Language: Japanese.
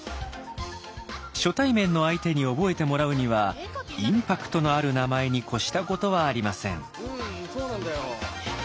初対面の相手に覚えてもらうにはインパクトのある名前にこしたことはありません。